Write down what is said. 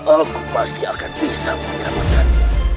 aku pasti akan bisa menyelamatkanmu